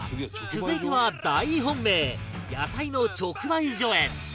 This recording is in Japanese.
続いては大本命野菜の直売所へ